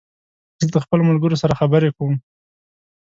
زه د خپلو ملګرو سره خبري کوم